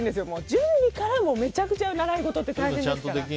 準備から、めちゃくちゃ習い事って大変ですから。